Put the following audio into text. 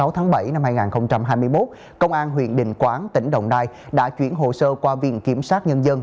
hai mươi tháng bảy năm hai nghìn hai mươi một công an huyện định quán tỉnh đồng nai đã chuyển hồ sơ qua viện kiểm sát nhân dân